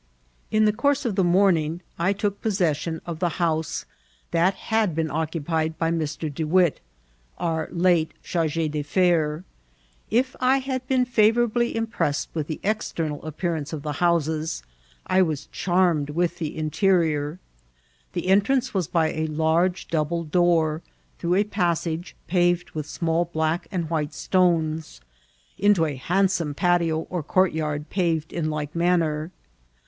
In the course of the morning I took poesessicm of the house that had been occupied by Mr. De Witt, our late charge d'affidres. If I had been favourably impressed with the external appearance of the houses, I was charmed with the interior. The entrance was by a large double door, through a passage paved with small black and white stones, into a handsome patio cht court yard paved in like manner.